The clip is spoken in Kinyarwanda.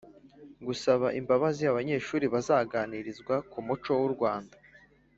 Gusaba imbabazi Abanyeshuri bazaganirizwa ku muco w’u Rwanda